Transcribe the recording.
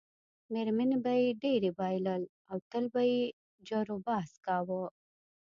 میرمنې به یې ډېری بایلل او تل به یې جروبحث کاوه.